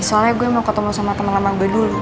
soalnya gue mau ketemu sama temen lama gue dulu